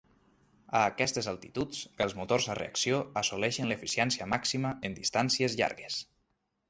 A aquestes altituds, els motors a reacció assoleixen l'eficiència màxima en distàncies llargues.